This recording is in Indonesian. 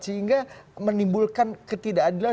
sehingga menimbulkan ketidakadilan